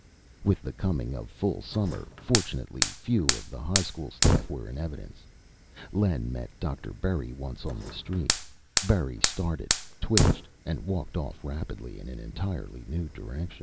With the coming of full summer, fortunately, few of the high school staff were in evidence. Len met Dr. Berry once on the street. Berry started, twitched, and walked off rapidly in an entirely new direction.